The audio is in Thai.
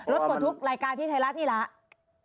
ปลดทุกข์รายการที่ไทยรัฐนี่แหละ